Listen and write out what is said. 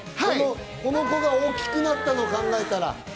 この子が大きくなったと考えたら？